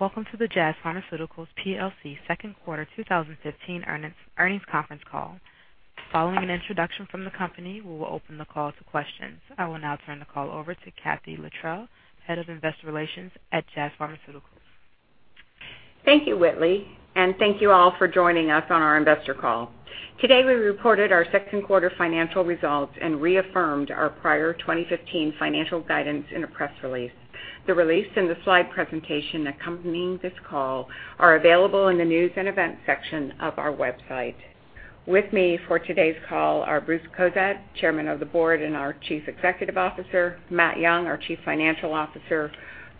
Welcome to the Jazz Pharmaceuticals plc second quarter 2015 earnings conference call. Following an introduction from the company, we will open the call to questions. I will now turn the call over to Kathleen Luttrell, Head of Investor Relations at Jazz Pharmaceuticals. Thank you, Whitley, and thank you all for joining us on our investor call. Today, we reported our second quarter financial results and reaffirmed our prior 2015 financial guidance in a press release. The release and the slide presentation accompanying this call are available in the news and events section of our website. With me for today's call are Bruce Cozadd, Chairman of the Board and our Chief Executive Officer, Matthew Young, our Chief Financial Officer,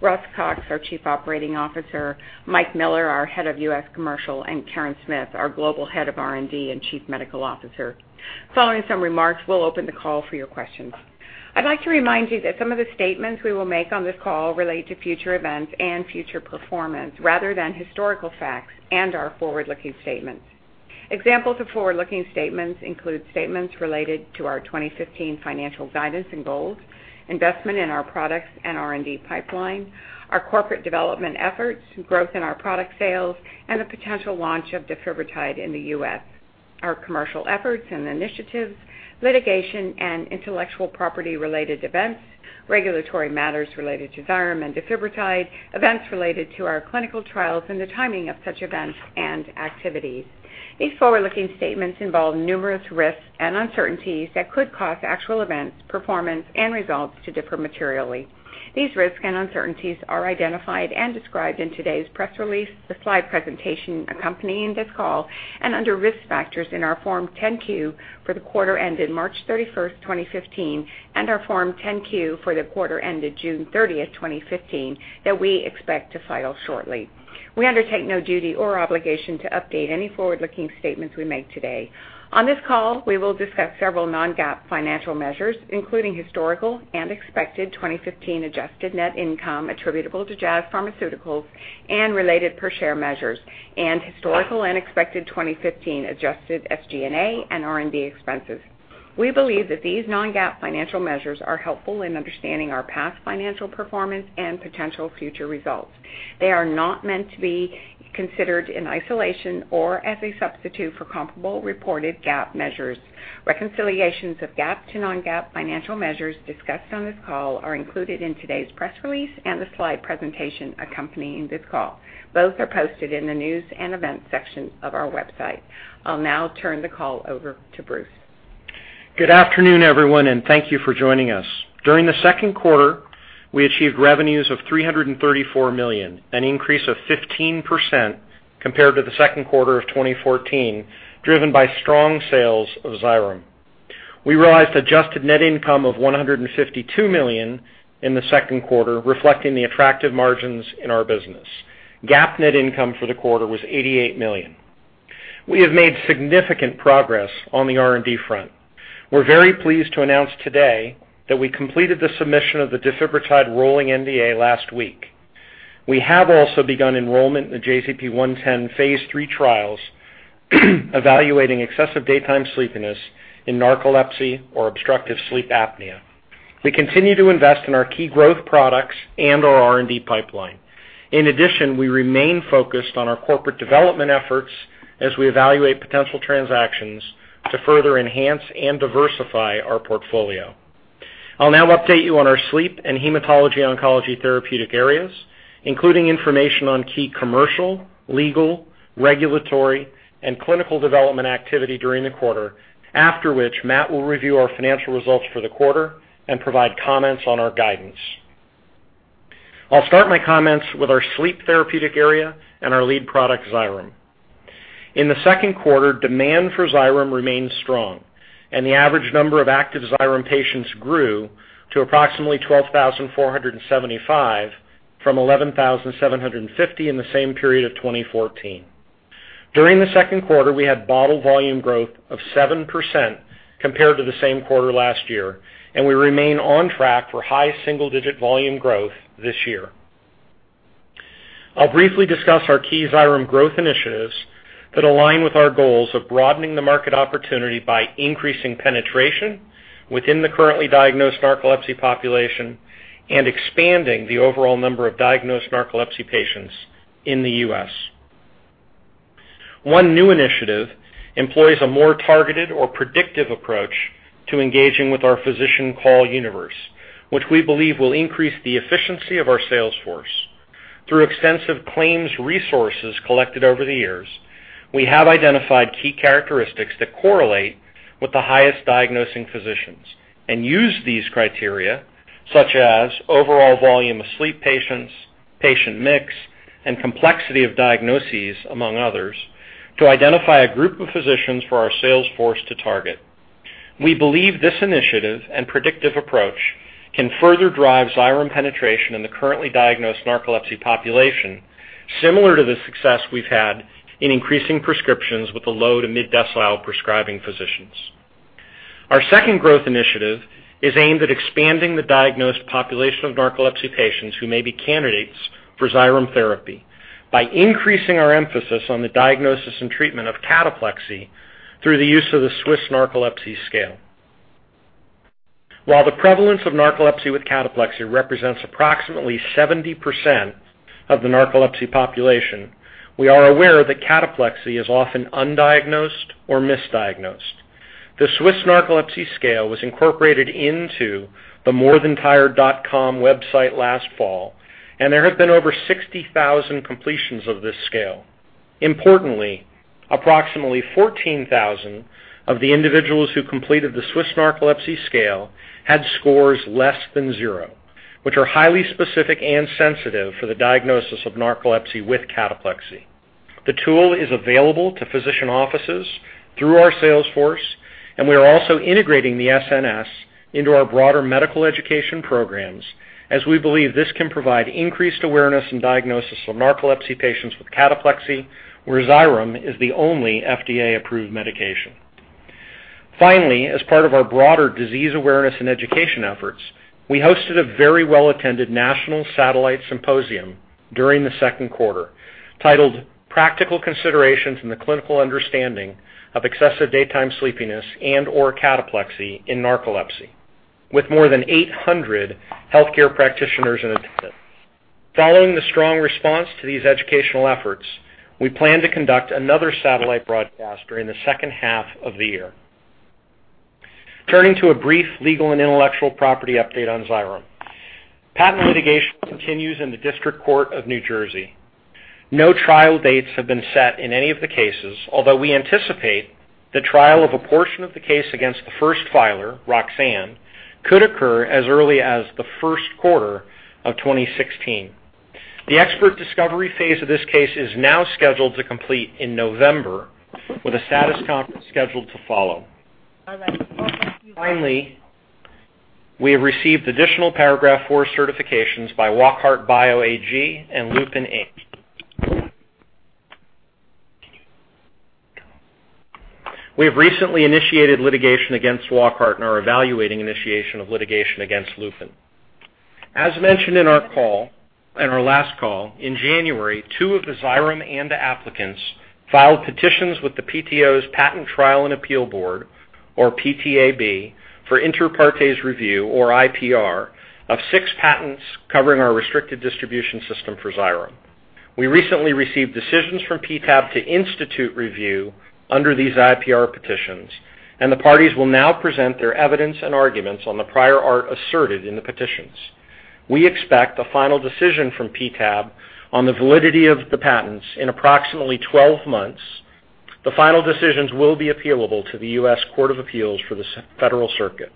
Russell Cox, our Chief Operating Officer, Michael Miller, our Head of US Commercial, and Karen Smith, our Global Head of R&D and Chief Medical Officer. Following some remarks, we'll open the call for your questions. I'd like to remind you that some of the statements we will make on this call relate to future events and future performance rather than historical facts and are forward-looking statements. Examples of forward-looking statements include statements related to our 2015 financial guidance and goals, investment in our products and R&D pipeline, our corporate development efforts, growth in our product sales, and the potential launch of defibrotide in the U.S., our commercial efforts and initiatives, litigation and intellectual property-related events, regulatory matters related to Xyrem and defibrotide, events related to our clinical trials and the timing of such events and activities. These forward-looking statements involve numerous risks and uncertainties that could cause actual events, performance and results to differ materially. These risks and uncertainties are identified and described in today's press release, the slide presentation accompanying this call, and under Risk Factors in our Form 10-Q for the quarter ended March 31st, 2015, and our Form 10-Q for the quarter ended June 30th, 2015, that we expect to file shortly. We undertake no duty or obligation to update any forward-looking statements we make today. On this call, we will discuss several non-GAAP financial measures, including historical and expected 2015 adjusted net income attributable to Jazz Pharmaceuticals and related per share measures, and historical and expected 2015 adjusted SG&A and R&D expenses. We believe that these non-GAAP financial measures are helpful in understanding our past financial performance and potential future results. They are not meant to be considered in isolation or as a substitute for comparable reported GAAP measures. Reconciliations of GAAP to non-GAAP financial measures discussed on this call are included in today's press release and the slide presentation accompanying this call. Both are posted in the news and events section of our website. I'll now turn the call over to Bruce. Good afternoon, everyone, and thank you for joining us. During the second quarter, we achieved revenues of $334 million, an increase of 15% compared to the second quarter of 2014, driven by strong sales of Xyrem. We realized adjusted net income of $152 million in the second quarter, reflecting the attractive margins in our business. GAAP net income for the quarter was $88 million. We have made significant progress on the R&D front. We're very pleased to announce today that we completed the submission of the defibrotide rolling NDA last week. We have also begun enrollment in the JZP-110 Phase III trials evaluating excessive daytime sleepiness in narcolepsy or obstructive sleep apnea. We continue to invest in our key growth products and our R&D pipeline. In addition, we remain focused on our corporate development efforts as we evaluate potential transactions to further enhance and diversify our portfolio. I'll now update you on our sleep and hematology oncology therapeutic areas, including information on key commercial, legal, regulatory, and clinical development activity during the quarter. After which, Matt will review our financial results for the quarter and provide comments on our guidance. I'll start my comments with our sleep therapeutic area and our lead product, Xyrem. In the second quarter, demand for Xyrem remained strong and the average number of active Xyrem patients grew to approximately 12,475 from 11,750 in the same period of 2014. During the second quarter, we had bottle volume growth of 7% compared to the same quarter last year, and we remain on track for high single-digit volume growth this year. I'll briefly discuss our key Xyrem growth initiatives that align with our goals of broadening the market opportunity by increasing penetration within the currently diagnosed narcolepsy population and expanding the overall number of diagnosed narcolepsy patients in the U.S. One new initiative employs a more targeted or predictive approach to engaging with our physician call universe, which we believe will increase the efficiency of our sales force. Through extensive claims resources collected over the years, we have identified key characteristics that correlate with the highest diagnosing physicians and use these criteria, such as overall volume of sleep patients, patient mix, and complexity of diagnoses, among others, to identify a group of physicians for our sales force to target. We believe this initiative and predictive approach can further drive Xyrem penetration in the currently diagnosed narcolepsy population, similar to the success we've had in increasing prescriptions with the low to mid decile prescribing physicians. Our second growth initiative is aimed at expanding the diagnosed population of narcolepsy patients who may be candidates for Xyrem therapy by increasing our emphasis on the diagnosis and treatment of cataplexy through the use of the Swiss Narcolepsy Scale. While the prevalence of narcolepsy with cataplexy represents approximately 70% of the narcolepsy population, we are aware that cataplexy is often undiagnosed or misdiagnosed. The Swiss Narcolepsy Scale was incorporated into the MoreThanTired.com website last fall, and there have been over 60,000 completions of this scale. Importantly, approximately 14,000 of the individuals who completed the Swiss Narcolepsy Scale had scores less than zero, which are highly specific and sensitive for the diagnosis of narcolepsy with cataplexy. The tool is available to physician offices through our sales force, and we are also integrating the SNS into our broader medical education programs as we believe this can provide increased awareness and diagnosis of narcolepsy patients with cataplexy, where Xyrem is the only FDA-approved medication. Finally, as part of our broader disease awareness and education efforts, we hosted a very well-attended national satellite symposium during the second quarter titled Practical Considerations in the Clinical Understanding of Excessive Daytime Sleepiness and/or Cataplexy in Narcolepsy, with more than 800 healthcare practitioners in attendance. Following the strong response to these educational efforts, we plan to conduct another satellite broadcast during the second half of the year. Turning to a brief legal and intellectual property update on Xyrem. Patent litigation continues in the District Court of New Jersey. No trial dates have been set in any of the cases, although we anticipate the trial of a portion of the case against the first filer, Roxane, could occur as early as the first quarter of 2016. The expert discovery phase of this case is now scheduled to complete in November with a status conference scheduled to follow. Finally, we have received additional Paragraph IV certifications by Wockhardt Bio AG and Lupin Inc. We have recently initiated litigation against Wockhardt and are evaluating initiation of litigation against Lupin. As mentioned in our last call in January, two of the Xyrem ANDA applicants filed petitions with the PTO's Patent Trial and Appeal Board, or PTAB, for Inter Partes Review, or IPR, of six patents covering our restricted distribution system for Xyrem. We recently received decisions from PTAB to institute review under these IPR petitions, and the parties will now present their evidence and arguments on the prior art asserted in the petitions. We expect a final decision from PTAB on the validity of the patents in approximately 12 months. The final decisions will be appealable to the U.S. Court of Appeals for the Federal Circuit.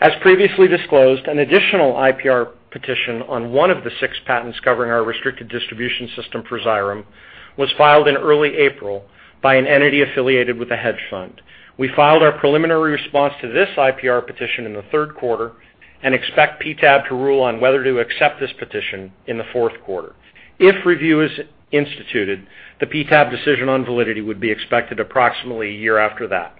As previously disclosed, an additional IPR petition on one of the six patents covering our restricted distribution system for Xyrem was filed in early April by an entity affiliated with a hedge fund. We filed our preliminary response to this IPR petition in the third quarter and expect PTAB to rule on whether to accept this petition in the fourth quarter. If review is instituted, the PTAB decision on validity would be expected approximately a year after that.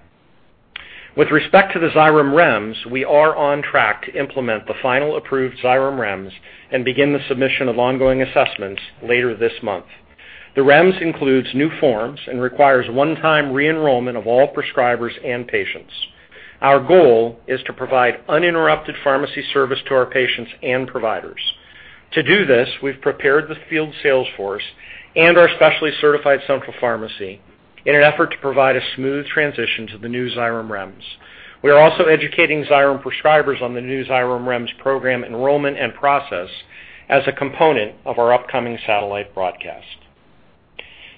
With respect to the Xyrem REMS, we are on track to implement the final approved Xyrem REMS and begin the submission of ongoing assessments later this month. The REMS includes new forms and requires one-time re-enrollment of all prescribers and patients. Our goal is to provide uninterrupted pharmacy service to our patients and providers. To do this, we've prepared the field sales force and our specially certified central pharmacy in an effort to provide a smooth transition to the new Xyrem REMS. We are also educating Xyrem prescribers on the new Xyrem REMS program enrollment and process as a component of our upcoming satellite broadcast.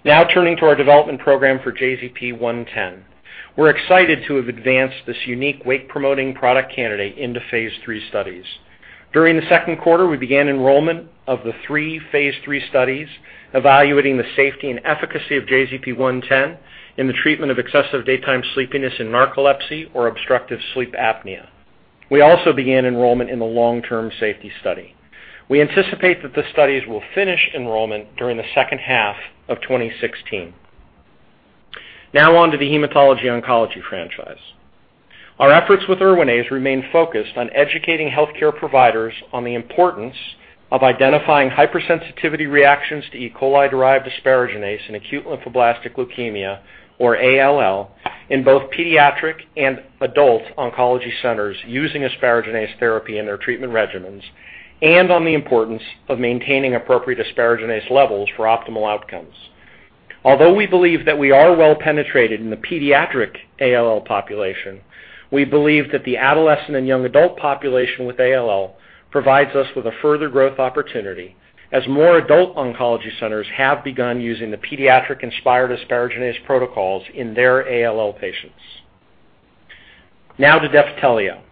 Now turning to our development program for JZP-110. We're excited to have advanced this unique wake-promoting product candidate into phase III studies. During the second quarter, we began enrollment of the three phase III studies evaluating the safety and efficacy of JZP-110 in the treatment of excessive daytime sleepiness in narcolepsy or obstructive sleep apnea. We also began enrollment in the long-term safety study. We anticipate that the studies will finish enrollment during the second half of 2016. Now on to the Hematology Oncology franchise. Our efforts with Erwinaze remain focused on educating healthcare providers on the importance of identifying hypersensitivity reactions to E. coli-derived asparaginase in acute lymphoblastic leukemia, or ALL, in both pediatric and adult oncology centers using asparaginase therapy in their treatment regimens and on the importance of maintaining appropriate asparaginase levels for optimal outcomes. Although we believe that we are well penetrated in the pediatric ALL population, we believe that the adolescent and young adult population with ALL provides us with a further growth opportunity as more adult oncology centers have begun using the pediatric-inspired asparaginase protocols in their ALL patients. Now to Defitelio.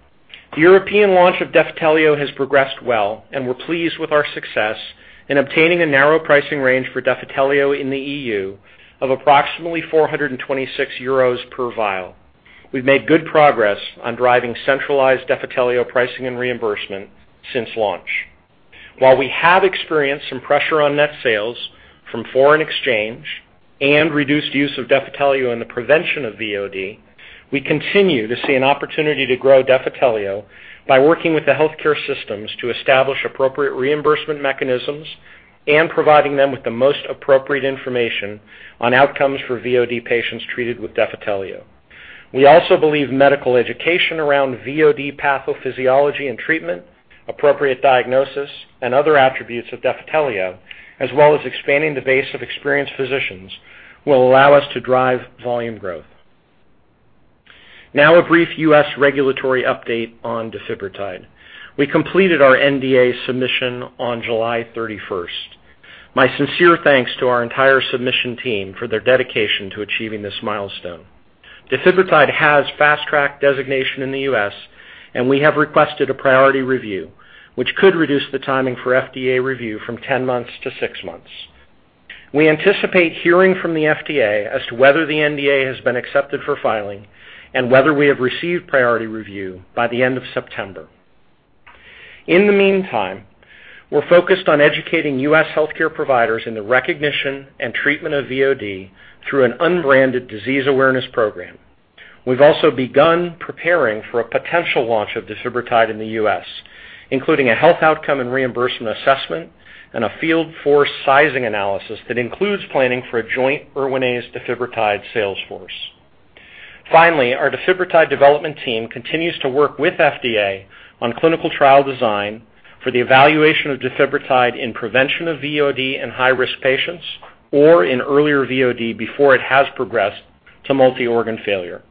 The European launch of Defitelio has progressed well, and we're pleased with our success in obtaining a narrow pricing range for Defitelio in the EU of approximately 426 euros per vial. We've made good progress on driving centralized Defitelio pricing and reimbursement since launch. While we have experienced some pressure on net sales from foreign exchange and reduced use of Defitelio in the prevention of VOD, we continue to see an opportunity to grow Defitelio by working with the healthcare systems to establish appropriate reimbursement mechanisms and providing them with the most appropriate information on outcomes for VOD patients treated with Defitelio. We also believe medical education around VOD pathophysiology and treatment, appropriate diagnosis, and other attributes of Defitelio, as well as expanding the base of experienced physicians, will allow us to drive volume growth. Now a brief U.S. regulatory update on Defibrotide. We completed our NDA submission on July 31st. My sincere thanks to our entire submission team for their dedication to achieving this milestone. Defibrotide has Fast Track designation in the U.S., and we have requested a priority review, which could reduce the timing for FDA review from 10 months to six months. We anticipate hearing from the FDA as to whether the NDA has been accepted for filing and whether we have received priority review by the end of September. In the meantime, we're focused on educating U.S. healthcare providers in the recognition and treatment of VOD through an unbranded disease awareness program. We've also begun preparing for a potential launch of defibrotide in the U.S., including a health outcome and reimbursement assessment and a field force sizing analysis that includes planning for a joint Erwinaze defibrotide sales force. Finally, our defibrotide development team continues to work with FDA on clinical trial design for the evaluation of defibrotide in prevention of VOD in high-risk patients or in earlier VOD before it has progressed to multi-organ failure.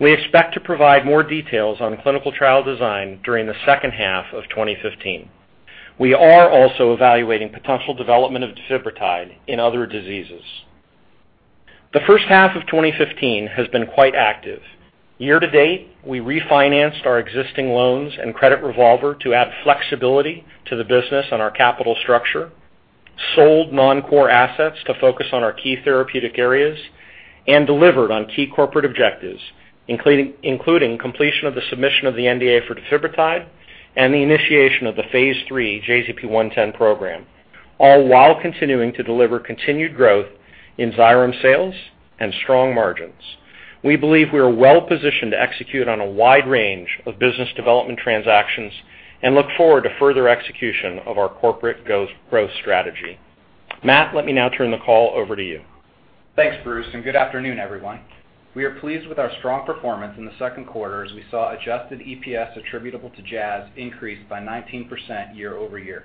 We expect to provide more details on clinical trial design during the second half of 2015. We are also evaluating potential development of defibrotide in other diseases. The first half of 2015 has been quite active. Year to date, we refinanced our existing loans and credit revolver to add flexibility to the business on our capital structure, sold non-core assets to focus on our key therapeutic areas, and delivered on key corporate objectives, including completion of the submission of the NDA for defibrotide and the initiation of the Phase III JZP-110 program, all while continuing to deliver continued growth in Xyrem sales and strong margins. We believe we are well-positioned to execute on a wide range of business development transactions and look forward to further execution of our corporate growth strategy. Matt, let me now turn the call over to you. Thanks, Bruce, and good afternoon, everyone. We are pleased with our strong performance in the second quarter as we saw adjusted EPS attributable to Jazz increase by 19% year-over-year.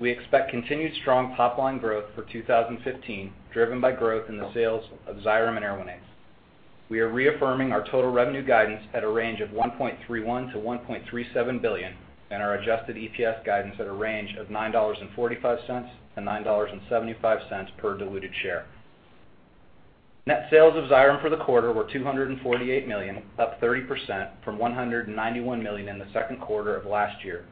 We expect continued strong top line growth for 2015, driven by growth in the sales of Xyrem and Erwinaze. We are reaffirming our total revenue guidance at a range of $1.31-$1.37 billion and our adjusted EPS guidance at a range of $9.45-$9.75 per diluted share. Net sales of Xyrem for the quarter were $248 million, up 30% from $191 million in the second quarter of last year.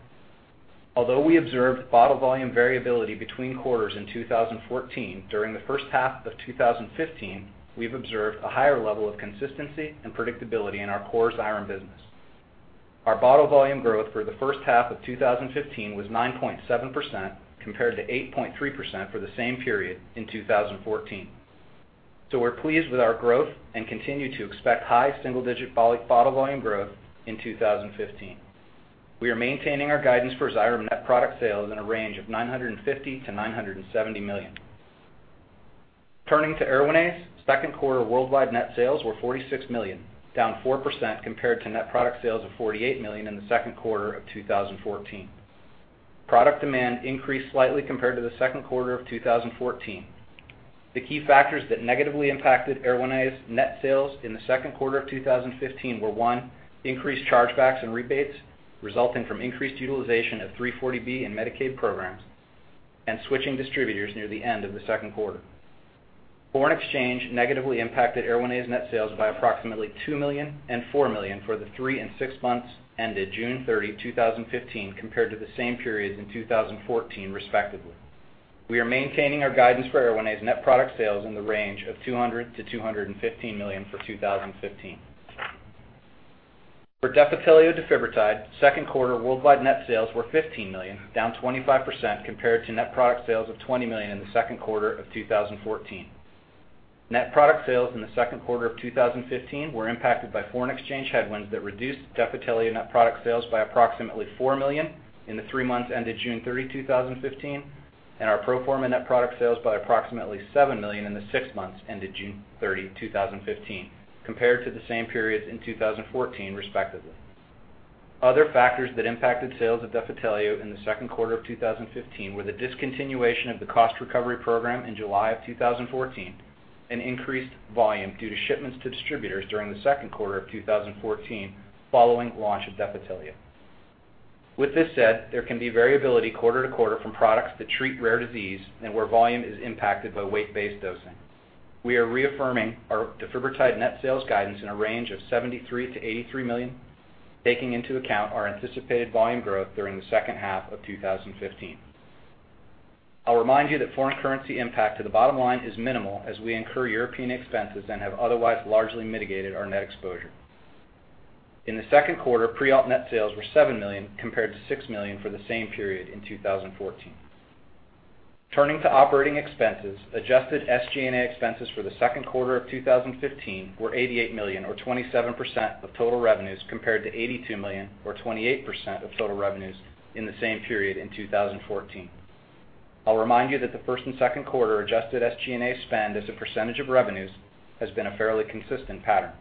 Although we observed bottle volume variability between quarters in 2014, during the first half of 2015, we've observed a higher level of consistency and predictability in our core Xyrem business. Our bottle volume growth for the first half of 2015 was 9.7% compared to 8.3% for the same period in 2014. We're pleased with our growth and continue to expect high single-digit bottle volume growth in 2015. We are maintaining our guidance for Xyrem net product sales in a range of $950 million-$970 million. Turning to Erwinaze, second quarter worldwide net sales were $46 million, down 4% compared to net product sales of $48 million in the second quarter of 2014. Product demand increased slightly compared to the second quarter of 2014. The key factors that negatively impacted Erwinaze net sales in the second quarter of 2015 were, one, increased chargebacks and rebates resulting from increased utilization of 340B in Medicaid programs and switching distributors near the end of the second quarter. Foreign exchange negatively impacted Erwinaze net sales by approximately $2 million and $4 million for the three and six months ended June 30, 2015, compared to the same periods in 2014, respectively. We are maintaining our guidance for Erwinaze net product sales in the range of $200 million-$215 million for 2015. For Defitelio defibrotide, second quarter worldwide net sales were $15 million, down 25% compared to net product sales of $20 million in the second quarter of 2014. Net product sales in the second quarter of 2015 were impacted by foreign exchange headwinds that reduced Defitelio net product sales by approximately $4 million in the three months ended June 30, 2015, and our pro forma net product sales by approximately $7 million in the six months ended June 30, 2015, compared to the same periods in 2014, respectively. Other factors that impacted sales of Defitelio in the second quarter of 2015 were the discontinuation of the cost recovery program in July 2014 and increased volume due to shipments to distributors during the second quarter of 2014 following launch of Defitelio. With this said, there can be variability quarter to quarter from products that treat rare disease and where volume is impacted by weight-based dosing. We are reaffirming our Defitelio net sales guidance in a range of $73 million-$83 million, taking into account our anticipated volume growth during the second half of 2015. I'll remind you that foreign currency impact to the bottom line is minimal as we incur European expenses and have otherwise largely mitigated our net exposure. In the second quarter, Prialt net sales were $7 million compared to $6 million for the same period in 2014. Turning to operating expenses, adjusted SG&A expenses for the second quarter of 2015 were $88 million or 27% of total revenues compared to $82 million or 28% of total revenues in the same period in 2014. I'll remind you that the first and second quarter adjusted SG&A spend as a percentage of revenues has been a fairly consistent pattern.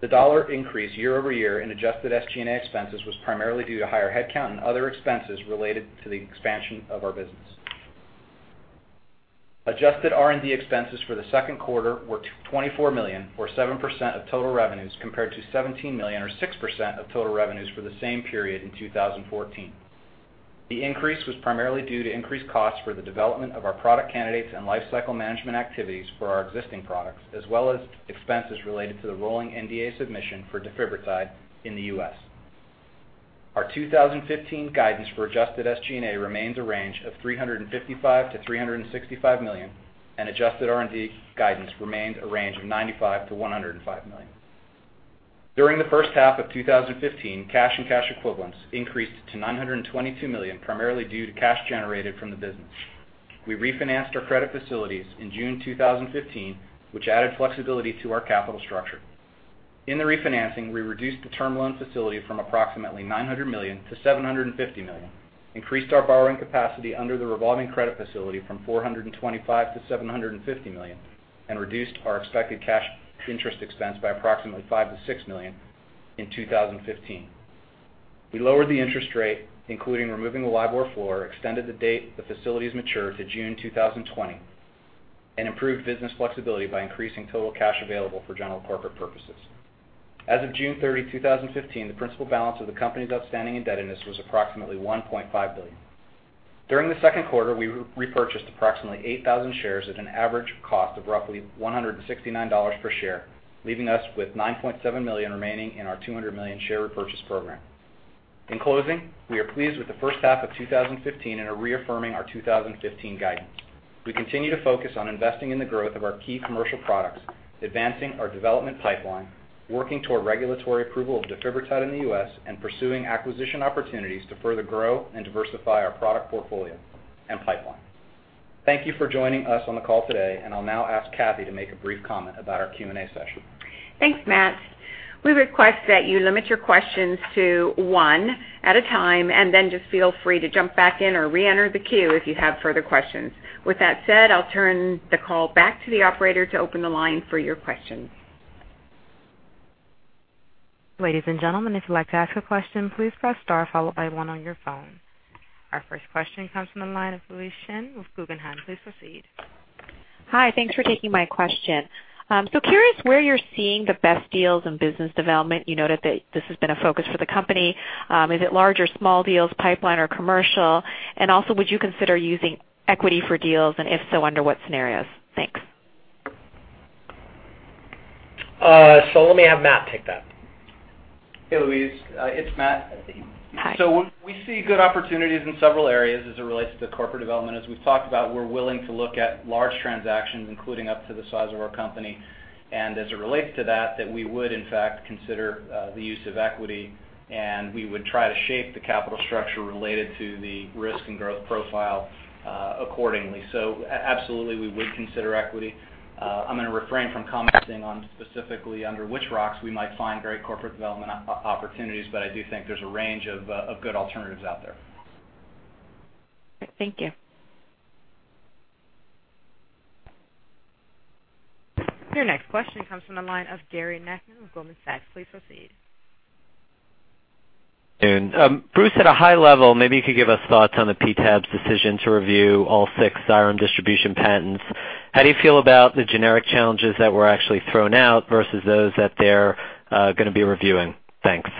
The dollar increase year-over-year in adjusted SG&A expenses was primarily due to higher headcount and other expenses related to the expansion of our business. Adjusted R&D expenses for the second quarter were $24 million, or 7% of total revenues, compared to $17 million, or 6% of total revenues for the same period in 2014. The increase was primarily due to increased costs for the development of our product candidates and life cycle management activities for our existing products, as well as expenses related to the rolling NDA submission for defibrotide in the U.S. Our 2015 guidance for adjusted SG&A remains a range of $355 million-$365 million, and adjusted R&D guidance remains a range of $95 million-$105 million. During the first half of 2015, cash and cash equivalents increased to $922 million, primarily due to cash generated from the business. We refinanced our credit facilities in June 2015, which added flexibility to our capital structure. In the refinancing, we reduced the term loan facility from approximately $900 million to $750 million, increased our borrowing capacity under the revolving credit facility from $425 million to $750 million, and reduced our expected cash interest expense by approximately $5 million-$6 million in 2015. We lowered the interest rate, including removing the LIBOR floor, extended the date the facilities mature to June 2020, and improved business flexibility by increasing total cash available for general corporate purposes. As of June 30, 2015, the principal balance of the company's outstanding indebtedness was approximately $1.5 billion. During the second quarter, we repurchased approximately 8,000 shares at an average cost of roughly $169 per share, leaving us with $9.7 million remaining in our $200 million share repurchase program. In closing, we are pleased with the first half of 2015 and are reaffirming our 2015 guidance. We continue to focus on investing in the growth of our key commercial products, advancing our development pipeline, working toward regulatory approval of defibrotide in the U.S., and pursuing acquisition opportunities to further grow and diversify our product portfolio and pipeline. Thank you for joining us on the call today, and I'll now ask Kathy to make a brief comment about our Q&A session- Thanks, Matt. We request that you limit your questions to one at a time, and then just feel free to jump back in or reenter the queue if you have further questions. With that said, I'll turn the call back to the operator to open the line for your questions. Ladies and gentlemen, if you'd like to ask a question, please press star followed by one on your phone. Our first question comes from the line of Louise Chen with Guggenheim. Please proceed. Hi. Thanks for taking my question. Curious where you're seeing the best deals in business development. You noted that this has been a focus for the company. Is it large or small deals, pipeline or commercial? Also, would you consider using equity for deals, and if so, under what scenarios? Thanks. Let me have Matt take that. Hey, Louise. It's Matt. Hi. We see good opportunities in several areas as it relates to corporate development. As we've talked about, we're willing to look at large transactions, including up to the size of our company, and as it relates to that, we would, in fact, consider the use of equity, and we would try to shape the capital structure related to the risk and growth profile accordingly. Absolutely, we would consider equity. I'm gonna refrain from commenting on specifically under which rocks we might find great corporate development opportunities, but I do think there's a range of good alternatives out there. Thank you. Your next question comes from the line of Gary Nachman with Goldman Sachs. Please proceed. Bruce, at a high level, maybe you could give us thoughts on the PTAB's decision to review all six Xyrem distribution patents. How do you feel about the generic challenges that were actually thrown out versus those that they're gonna be reviewing? Thanks.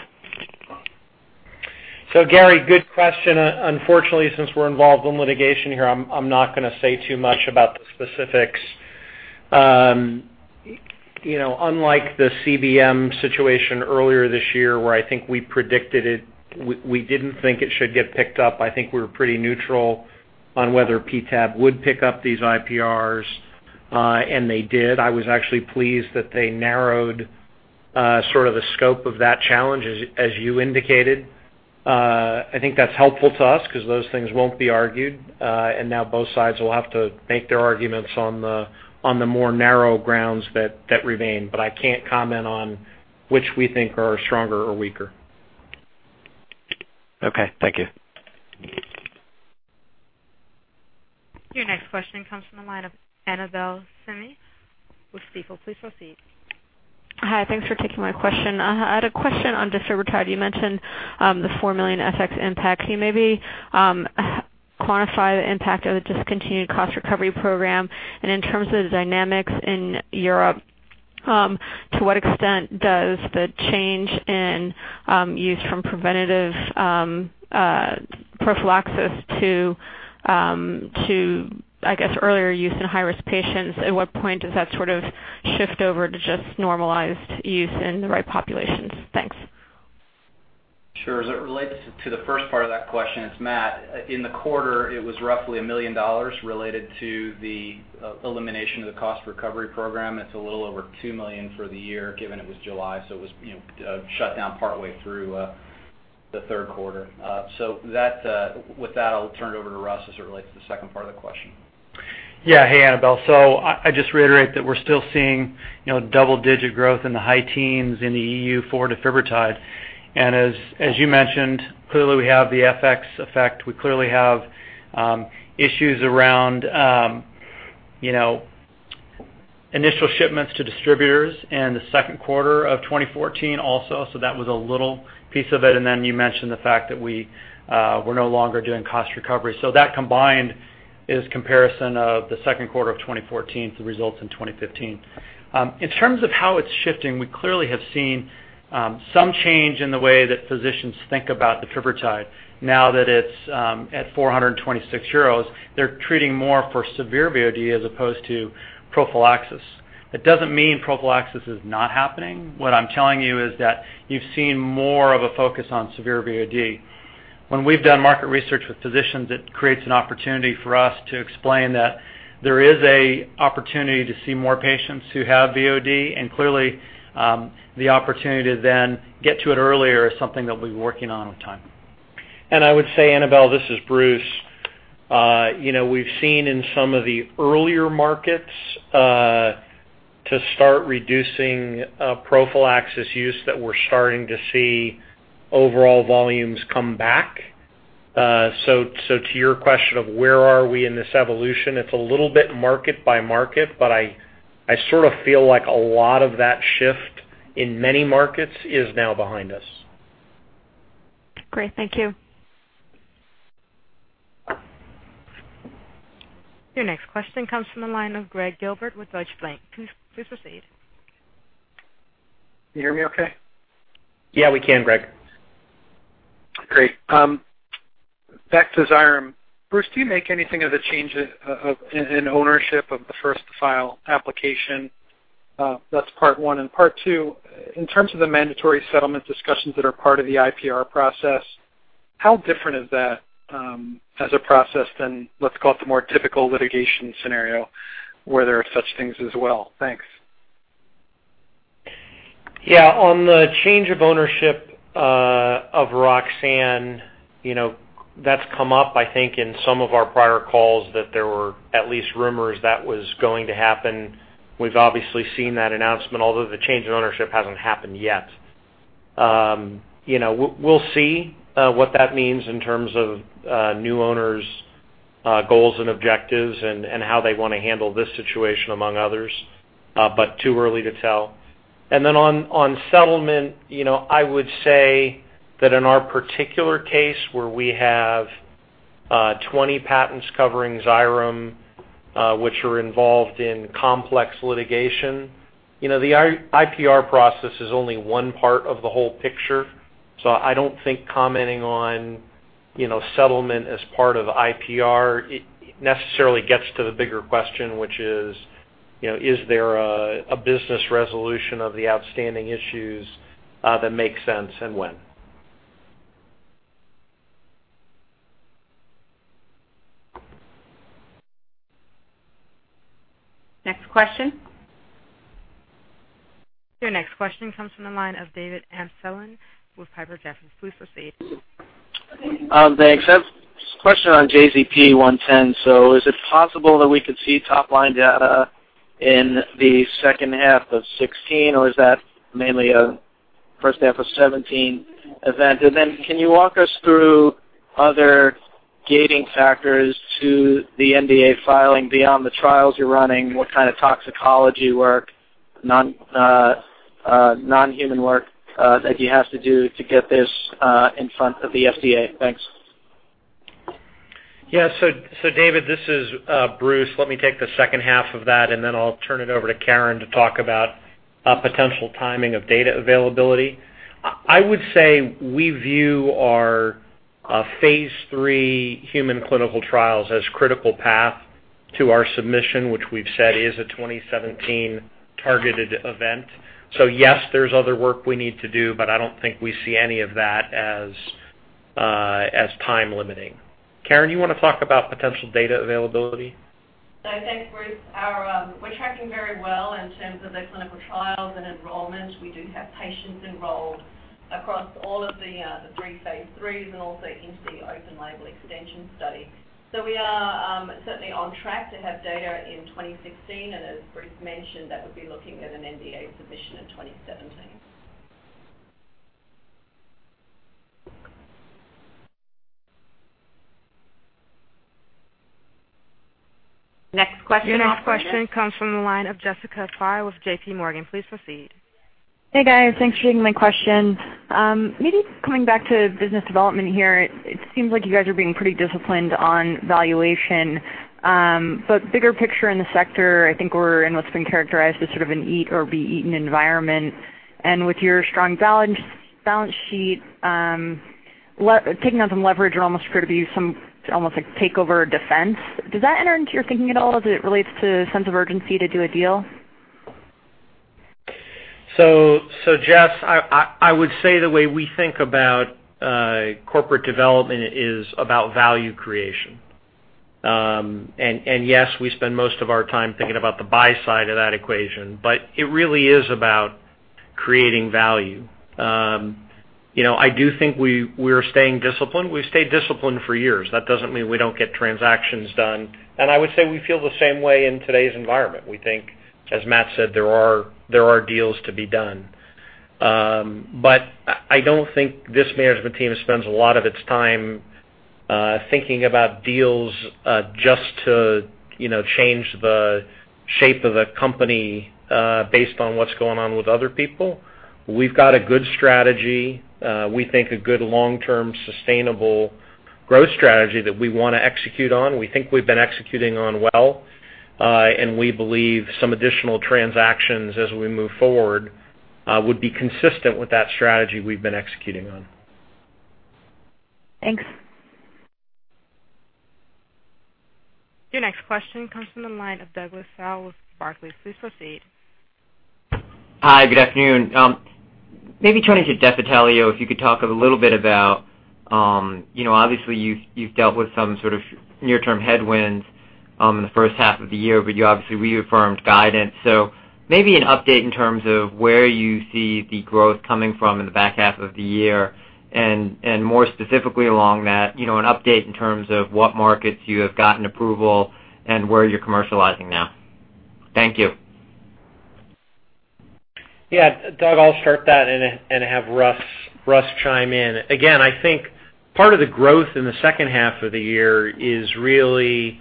Gary, good question. Unfortunately, since we're involved in litigation here, I'm not gonna say too much about the specifics. You know, unlike the CBM situation earlier this year, where I think we predicted it, we didn't think it should get picked up. I think we're pretty neutral on whether PTAB would pick up these IPRs, and they did. I was actually pleased that they narrowed sort of the scope of that challenge as you indicated. I think that's helpful to us because those things won't be argued, and now both sides will have to make their arguments on the more narrow grounds that remain, but I can't comment on which we think are stronger or weaker. Okay. Thank you. Your next question comes from the line of Annabel Samimy with Stifel. Please proceed. Hi. Thanks for taking my question. I had a question on defibrotide. You mentioned the $4 million FX impact. Can you maybe quantify the impact of the discontinued cost recovery program? In terms of the dynamics in Europe, to what extent does the change in use from preventative prophylaxis to, I guess, earlier use in high-risk patients, at what point does that sort of shift over to just normalized use in the right populations? Thanks. Sure. As it relates to the first part of that question, it's Matt. In the quarter, it was roughly $1 million related to the elimination of the cost recovery program. It's a little over $2 million for the year, given it was July, so it was, you know, shut down partway through the third quarter. With that, I'll turn it over to Russ as it relates to the second part of the question. Yeah. Hey, Annabel. I just reiterate that we're still seeing, you know, double-digit growth in the high teens in the EU for defibrotide. As you mentioned, clearly we have the FX effect. We clearly have issues around, you know, initial shipments to distributors in the second quarter of 2014 also, so that was a little piece of it. Then you mentioned the fact that we're no longer doing cost recovery. That combined is comparison of the second quarter of 2014 to results in 2015. In terms of how it's shifting, we clearly have seen some change in the way that physicians think about defibrotide now that it's at 426 euros. They're treating more for severe VOD as opposed to prophylaxis. That doesn't mean prophylaxis is not happening. What I'm telling you is that you've seen more of a focus on severe VOD. When we've done market research with physicians, it creates an opportunity for us to explain that there is a opportunity to see more patients who have VOD, and clearly, the opportunity to then get to it earlier is something that we're working on with time. I would say, Annabel, this is Bruce. You know, we've seen in some of the earlier markets to start reducing prophylaxis use that we're starting to see overall volumes come back. So to your question of where are we in this evolution, it's a little bit market by market, but I sort of feel like a lot of that shift in many markets is now behind us. Great. Thank you. Your next question comes from the line of Gregg Gilbert with Deutsche Bank. Please proceed. Can you hear me okay? Yeah, we can, Gregg. Great. Back to Xyrem. Bruce, do you make anything of the change in ownership of the first-filed application? That's part one. Part two, in terms of the mandatory settlement discussions that are part of the IPR process, how different is that as a process than let's call it the more typical litigation scenario where there are such things as well? Thanks. Yeah. On the change of ownership of Roxane, you know, that's come up, I think, in some of our prior calls that there were at least rumors that was going to happen. We've obviously seen that announcement, although the change in ownership hasn't happened yet. You know, we'll see what that means in terms of new owners' goals and objectives and how they wanna handle this situation among others, but too early to tell. On settlement, you know, I would say that in our particular case, where we have 20 patents covering Xyrem, which are involved in complex litigation, you know, the IPR process is only one part of the whole picture. I don't think commenting on, you know, settlement as part of IPR, it necessarily gets to the bigger question, which is, you know, is there a business resolution of the outstanding issues that make sense and when? Next question. Your next question comes from the line of David Amsellem with Piper Jaffray. Please proceed. Thanks. I have a question on JZP 110. Is it possible that we could see top line data in the second half of 2016, or is that mainly a first half of 2017 event? Can you walk us through other gating factors to the NDA filing beyond the trials you're running? What kind of toxicology work, non-human work, that you have to do to get this in front of the FDA? Thanks. David, this is Bruce. Let me take the second half of that, and then I'll turn it over to Karen to talk about potential timing of data availability. I would say we view our Phase III human clinical trials as critical path to our submission, which we've said is a 2017 targeted event. Yes, there's other work we need to do, but I don't think we see any of that as time limiting. Karen, you wanna talk about potential data availability? Thanks, Bruce. We're tracking very well in terms of the clinical trials and enrollment. We do have patients enrolled across all of the three Phase IIIs and also into the open label extension study. We are certainly on track to have data in 2016, and as Bruce mentioned, that would be looking at an NDA submission in 2017. Next question. Your next question comes from the line of Jessica Fye with JPMorgan. Please proceed. Hey, guys. Thanks for taking my question. Maybe just coming back to business development here, it seems like you guys are being pretty disciplined on valuation. Bigger picture in the sector, I think we're in what's been characterized as sort of an eat or be eaten environment. With your strong balance sheet, taking on some leverage or almost appear to be some almost like takeover defense, does that enter into your thinking at all as it relates to sense of urgency to do a deal? Jess, I would say the way we think about corporate development is about value creation. Yes, we spend most of our time thinking about the buy side of that equation, but it really is about creating value. You know, I do think we're staying disciplined. We've stayed disciplined for years. That doesn't mean we don't get transactions done. I would say we feel the same way in today's environment. We think, as Matt said, there are deals to be done. But I don't think this management team spends a lot of its time thinking about deals just to, you know, change the shape of a company based on what's going on with other people. We've got a good strategy. We think a good long-term sustainable growth strategy that we wanna execute on. We think we've been executing on well. We believe some additional transactions as we move forward would be consistent with that strategy we've been executing on. Thanks. Your next question comes from the line of Douglas Tsao with Barclays. Please proceed. Hi, good afternoon. Maybe turning to Defitelio, if you could talk a little bit about, you know, obviously, you've dealt with some sort of near-term headwinds in the first half of the year, but you obviously reaffirmed guidance. Maybe an update in terms of where you see the growth coming from in the back half of the year. More specifically along that, you know, an update in terms of what markets you have gotten approval and where you're commercializing now. Thank you. Yeah. Doug, I'll start that and have Russ chime in. Again, I think part of the growth in the second half of the year is really letting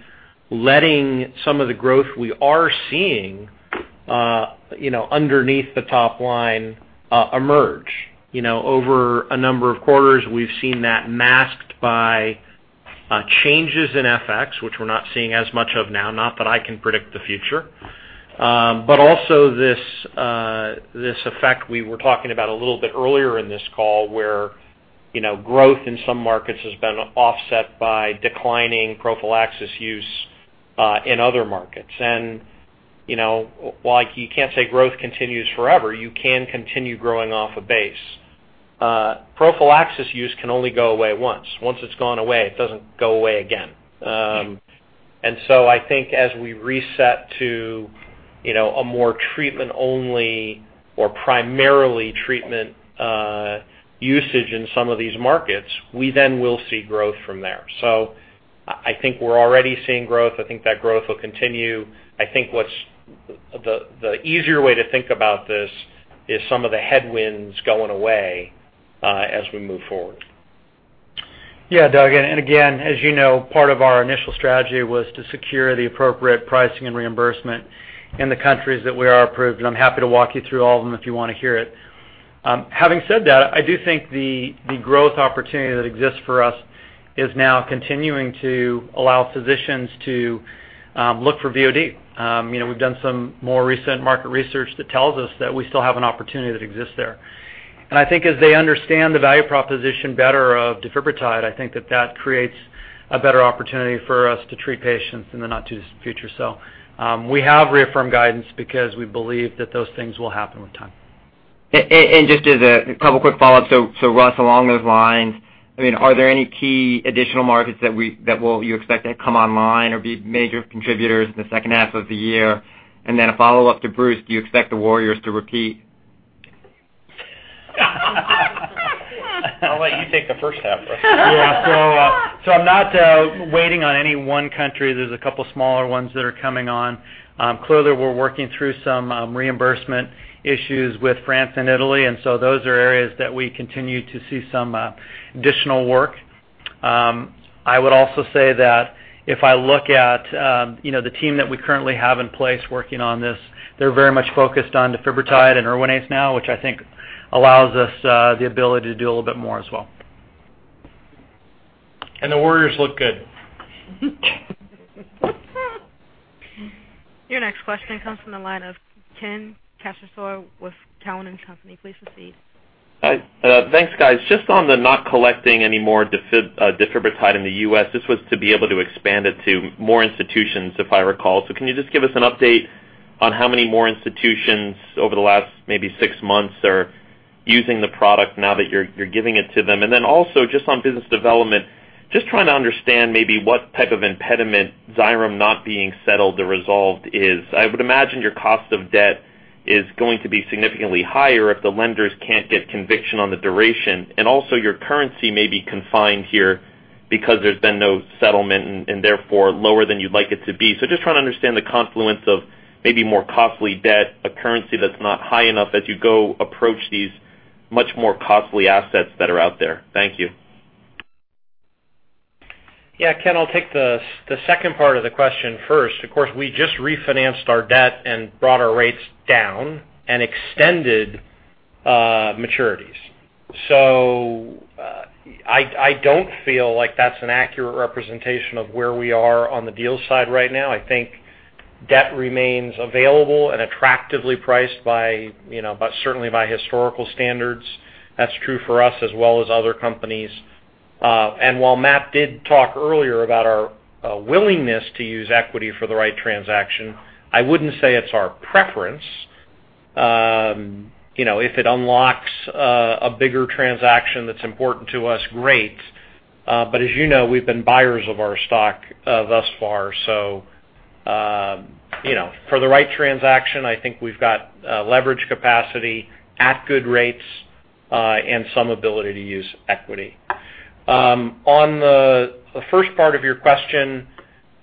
some of the growth we are seeing, you know, underneath the top line, emerge. You know, over a number of quarters, we've seen that masked by changes in FX, which we're not seeing as much of now, not that I can predict the future. But also this effect we were talking about a little bit earlier in this call where, you know, growth in some markets has been offset by declining prophylaxis use in other markets. You know, while you can't say growth continues forever, you can continue growing off a base. Prophylaxis use can only go away once. Once it's gone away, it doesn't go away again. I think as we reset to, you know, a more treatment only or primarily treatment usage in some of these markets, we then will see growth from there. I think we're already seeing growth. I think that growth will continue. I think what's the easier way to think about this is some of the headwinds going away as we move forward. Yeah. Doug, and again, as you know, part of our initial strategy was to secure the appropriate pricing and reimbursement in the countries that we are approved, and I'm happy to walk you through all of them if you wanna hear it. Having said that, I do think the growth opportunity that exists for us is now continuing to allow physicians to look for VOD. You know, we've done some more recent market research that tells us that we still have an opportunity that exists there. I think as they understand the value proposition better of defibrotide, I think that that creates a better opportunity for us to treat patients in the not too distant future. We have reaffirmed guidance because we believe that those things will happen with time. Just a couple quick follow-up. Russ, along those lines, I mean, are there any key additional markets that you will expect to come online or be major contributors in the second half of the year? Then a follow-up to Bruce, do you expect the Warriors to repeat? I'll let you take the first half, Russ. Yeah. I'm not waiting on any one country. There's a couple of smaller ones that are coming on. Clearly, we're working through some reimbursement issues with France and Italy, and those are areas that we continue to see some additional work. I would also say that if I look at you know, the team that we currently have in place working on this, they're very much focused on defibrotide and Erwinaze now, which I think allows us the ability to do a little bit more as well. The Warriors look good. Your next question comes from the line of Ken Cacciatore with Cowen and Company. Please proceed. Hi. Thanks, guys. Just on not collecting any more defibrotide in the U.S., this was to be able to expand it to more institutions if I recall. Can you just give us an update on how many more institutions over the last maybe six months are using the product now that you're giving it to them? Then also just on business development, just trying to understand maybe what type of impediment Xyrem not being settled or resolved is. I would imagine your cost of debt is going to be significantly higher if the lenders can't get conviction on the duration. Also your currency may be confined here because there's been no settlement and therefore, lower than you'd like it to be. Just trying to understand the confluence of maybe more costly debt, a currency that's not high enough as you go approach these much more costly assets that are out there. Thank you. Ken, I'll take the second part of the question first. Of course, we just refinanced our debt and brought our rates down and extended maturities. I don't feel like that's an accurate representation of where we are on the deal side right now. I think debt remains available and attractively priced, you know, certainly by historical standards. That's true for us as well as other companies. While Matthew did talk earlier about our willingness to use equity for the right transaction, I wouldn't say it's our preference. You know, if it unlocks a bigger transaction that's important to us, great. As you know, we've been buyers of our stock thus far. you know, for the right transaction, I think we've got leverage capacity at good rates, and some ability to use equity. On the first part of your question,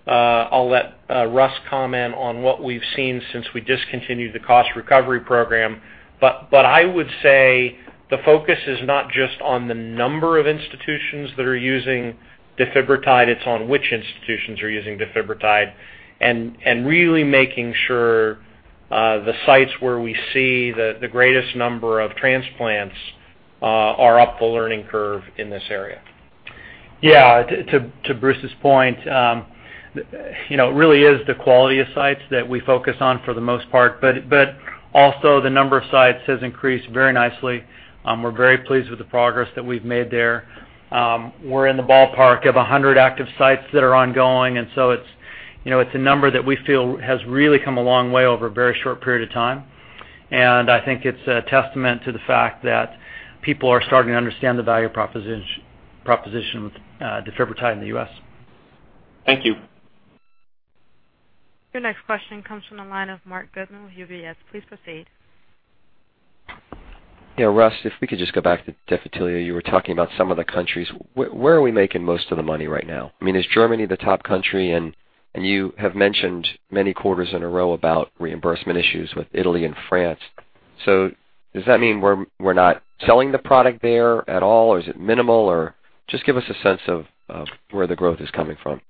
I'll let Russ comment on what we've seen since we discontinued the cost recovery program. I would say the focus is not just on the number of institutions that are using defibrotide, it's on which institutions are using defibrotide, and really making sure the sites where we see the greatest number of transplants are up the learning curve in this area. Yeah. To Bruce's point, you know, it really is the quality of sites that we focus on for the most part, but also the number of sites has increased very nicely. We're very pleased with the progress that we've made there. We're in the ballpark of 100 active sites that are ongoing, and so it's, you know, it's a number that we feel has really come a long way over a very short period of time. I think it's a testament to the fact that people are starting to understand the value proposition with defibrotide in the U.S. Thank you. Your next question comes from the line of Marc Goodman with UBS. Please proceed. Yeah, Russ, if we could just go back to Defitelio. You were talking about some of the countries. Where are we making most of the money right now? I mean, is Germany the top country? You have mentioned many quarters in a row about reimbursement issues with Italy and France. Does that mean we're not selling the product there at all, or is it minimal? Just give us a sense of where the growth is coming from.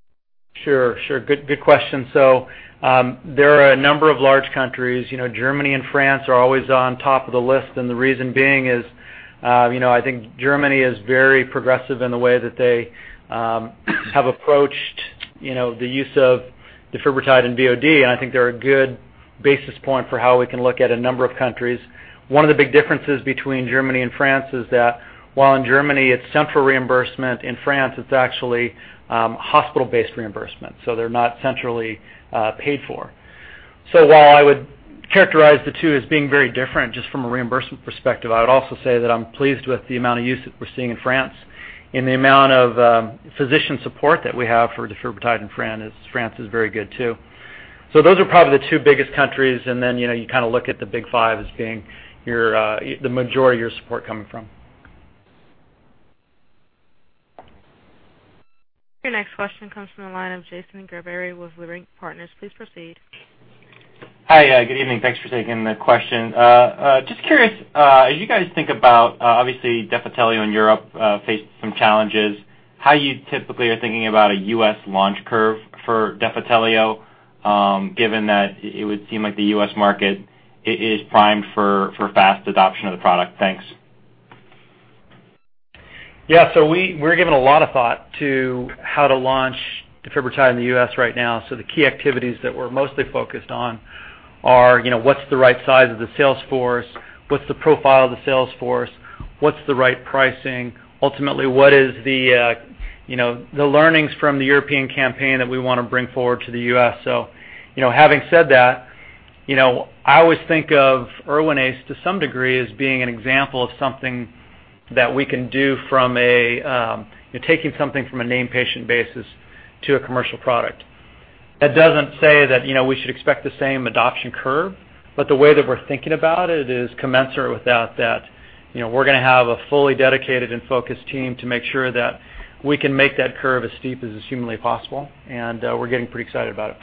Sure. Good question. There are a number of large countries. You know, Germany and France are always on top of the list, and the reason being is, you know, I think Germany is very progressive in the way that they have approached, you know, the use of defibrotide and VOD. I think they're a good basis point for how we can look at a number of countries. One of the big differences between Germany and France is that while in Germany it's central reimbursement, in France, it's actually hospital-based reimbursement, so they're not centrally paid for. While I would characterize the two as being very different just from a reimbursement perspective, I would also say that I'm pleased with the amount of use that we're seeing in France and the amount of physician support that we have for defibrotide in France is very good too. Those are probably the two biggest countries, and then you know you kinda look at the Big Five as being the majority of your support coming from. Your next question comes from the line of Jason Gerberry with Leerink Partners. Please proceed. Hi. Good evening. Thanks for taking the question. Just curious, as you guys think about, obviously Defitelio in Europe faced some challenges, how you typically are thinking about a U.S. launch curve for Defitelio, given that it would seem like the U.S. market is primed for fast adoption of the product? Thanks. Yeah. We're giving a lot of thought to how to launch defibrotide in the U.S. right now. The key activities that we're mostly focused on are, you know, what's the right size of the sales force? What's the profile of the sales force? What's the right pricing? Ultimately, what is the, you know, the learnings from the European campaign that we wanna bring forward to the U.S.? Having said that, you know, I always think of Erwinaze, to some degree, as being an example of something that we can do from a, taking something from a named patient basis to a commercial product. That doesn't say that, you know, we should expect the same adoption curve, but the way that we're thinking about it is commensurate with that, you know, we're gonna have a fully dedicated and focused team to make sure that we can make that curve as steep as is humanly possible, and we're getting pretty excited about it.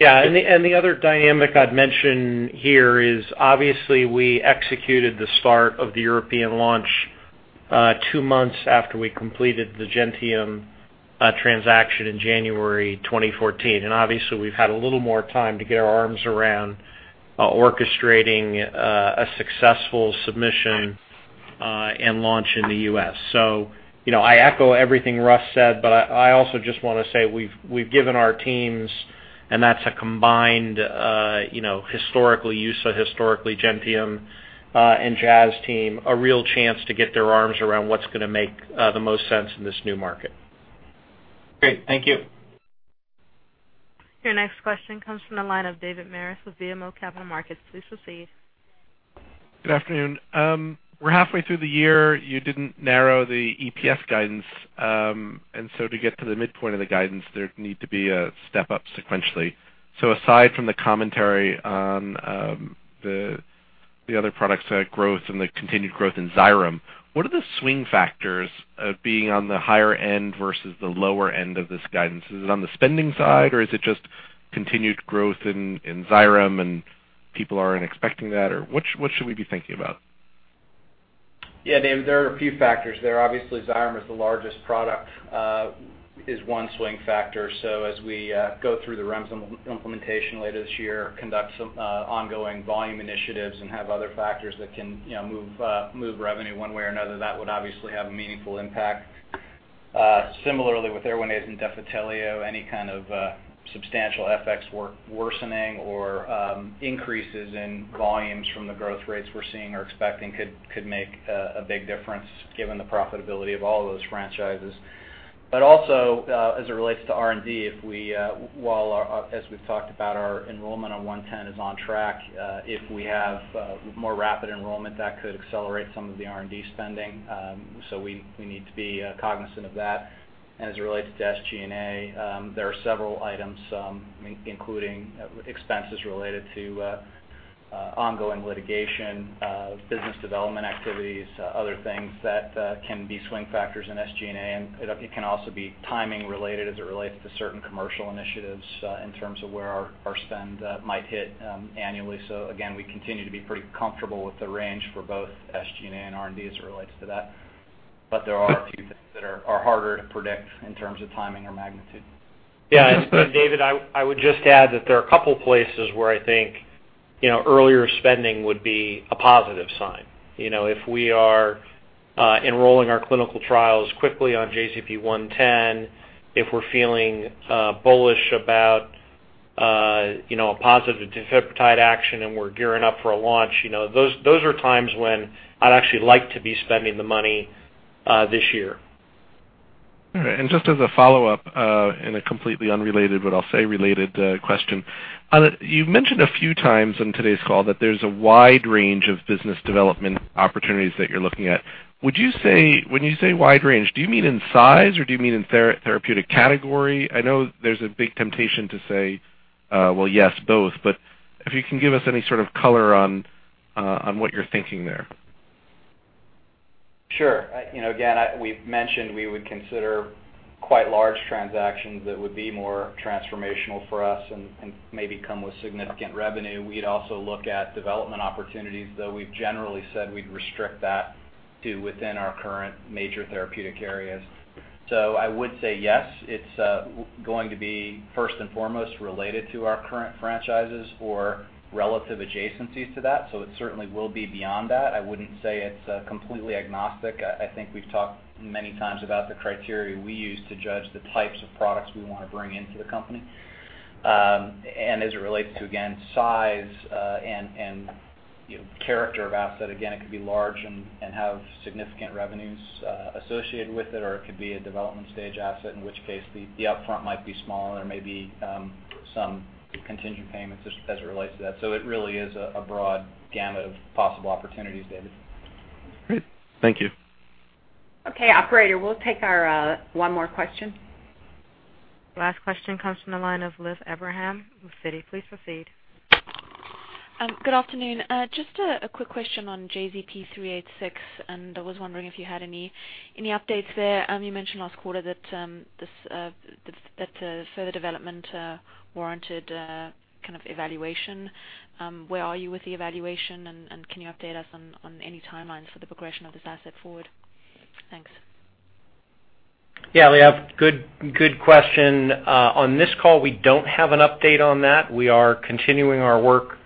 Yeah. The other dynamic I'd mention here is, obviously, we executed the start of the European launch two months after we completed the Gentium transaction in January 2014. Obviously, we've had a little more time to get our arms around orchestrating a successful submission and launch in the U.S. You know, I echo everything Russ said, but I also just wanna say we've given our teams, and that's a combined, you know, historically EUSA, historically Gentium, and Jazz team, a real chance to get their arms around what's gonna make the most sense in this new market. Great. Thank you. Your next question comes from the line of David Maris with BMO Capital Markets. Please proceed. Good afternoon. We're halfway through the year. You didn't narrow the EPS guidance. To get to the midpoint of the guidance, there'd need to be a step up sequentially. Aside from the commentary on the other products growth and the continued growth in Xyrem, what are the swing factors being on the higher end versus the lower end of this guidance? Is it on the spending side, or is it just continued growth in Xyrem and people aren't expecting that? Or what should we be thinking about? Yeah, Dave, there are a few factors there. Obviously, Xyrem is the largest product is one swing factor. As we go through the REMS implementation later this year, conduct some ongoing volume initiatives and have other factors that can, you know, move revenue one way or another, that would obviously have a meaningful impact. Similarly with Erwinaze and Defitelio, any kind of substantial FX worsening or increases in volumes from the growth rates we're seeing or expecting could make a big difference given the profitability of all those franchises. As it relates to R&D, while our enrollment on 110 is on track, as we've talked about, if we have more rapid enrollment, that could accelerate some of the R&D spending. We need to be cognizant of that. As it relates to SG&A, there are several items, including expenses related to ongoing litigation, business development activities, other things that can be swing factors in SG&A. It can also be timing related as it relates to certain commercial initiatives, in terms of where our spend might hit annually. We continue to be pretty comfortable with the range for both SG&A and R&D as it relates to that. There are a few things that are harder to predict in terms of timing or magnitude. Yeah. David, I would just add that there are a couple places where I think, you know, earlier spending would be a positive sign. You know, if we are enrolling our clinical trials quickly on JZP-110, if we're feeling bullish about, you know, a positive defibrotide action and we're gearing up for a launch, you know, those are times when I'd actually like to be spending the money this year. All right. Just as a follow-up, in a completely unrelated but I'll say related, question. You've mentioned a few times on today's call that there's a wide range of business development opportunities that you're looking at. Would you say, when you say wide range, do you mean in size or do you mean in therapeutic category? I know there's a big temptation to say, well, yes, both, but if you can give us any sort of color on what you're thinking there. Sure. You know, again, we've mentioned we would consider quite large transactions that would be more transformational for us and maybe come with significant revenue. We'd also look at development opportunities, though we've generally said we'd restrict that to within our current major therapeutic areas. I would say yes, it's going to be first and foremost related to our current franchises or relative adjacencies to that. It certainly will be beyond that. I wouldn't say it's completely agnostic. I think we've talked many times about the criteria we use to judge the types of products we wanna bring into the company. As it relates to, again, size, and, you know, character of asset, again, it could be large and have significant revenues associated with it, or it could be a development stage asset, in which case the upfront might be smaller. There may be some contingent payments as it relates to that. It really is a broad gamut of possible opportunities, David. Great. Thank you. Okay, operator, we'll take our one more question. Last question comes from the line of Liisa Bayko with Citi. Please proceed. Good afternoon. Just a quick question on JZP-386, and I was wondering if you had any updates there. You mentioned last quarter that the further development warranted kind of evaluation. Where are you with the evaluation? And can you update us on any timelines for the progression of this asset forward? Thanks. Yeah, Liisa, good question. On this call, we don't have an update on that. We are continuing our work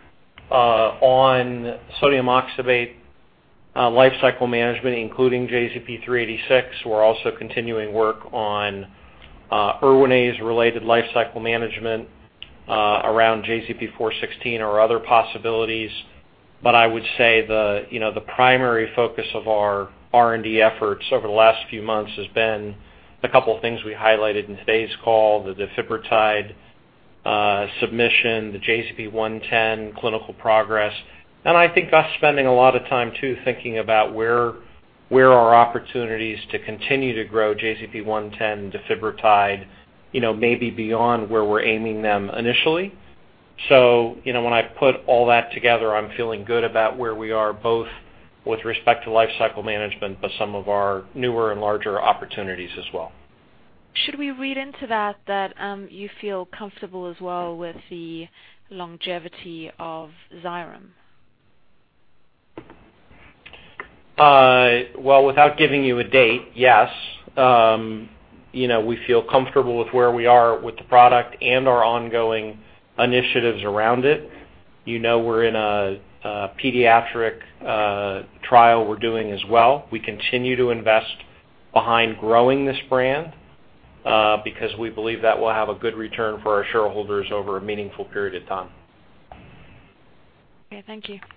on sodium oxybate life cycle management, including JZP-386. We're also continuing work on Erwinaze related life cycle management around JZP-416 or other possibilities. But I would say you know, the primary focus of our R&D efforts over the last few months has been a couple of things we highlighted in today's call, the defibrotide submission, the JZP-110 clinical progress. I think we're spending a lot of time to thinking about where are opportunities to continue to grow JZP-110 defibrotide, you know, maybe beyond where we're aiming them initially. you know, when I put all that together, I'm feeling good about where we are both with respect to life cycle management, but some of our newer and larger opportunities as well. Should we read into that, you feel comfortable as well with the longevity of Xyrem? Well, without giving you a date, yes. You know, we feel comfortable with where we are with the product and our ongoing initiatives around it. You know, we're in a pediatric trial we're doing as well. We continue to invest behind growing this brand, because we believe that will have a good return for our shareholders over a meaningful period of time. Okay. Thank you.